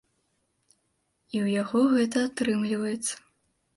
І ў яго гэта атрымліваецца.